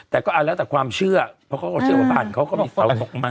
แต่ก็เอาแล้วแต่ความเชื่อเพราะก็เชือกว่าพันธุ์เขาก็มีสาวนกมาก